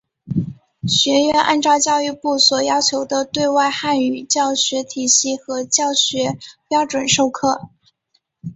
学院按照教育部所要求的对外汉语教学体系和教学标准授课。